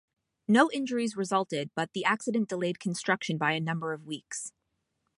No injuries resulted, but the accident delayed construction by a number of weeks.